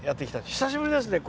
久しぶりですね。